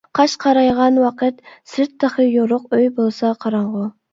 قاش قارايغان ۋاقىت، سىرت تېخى يورۇق، ئۆي بولسا قاراڭغۇ.